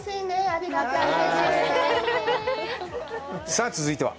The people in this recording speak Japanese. さあ続いては？